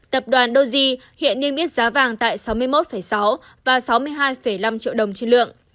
tập đoàn doge hiện niêm yết giá vàng tại sáu mươi một sáu và sáu mươi hai năm triệu đồng trên lượng